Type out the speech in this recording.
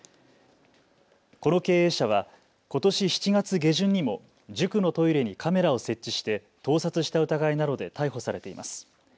この経営者はことし７月下旬にも塾のトイレにカメラを設置して盗撮した疑いなどで逮捕されています。